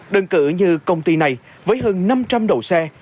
đơn cử như công ty này với hơn năm trăm linh đầu xe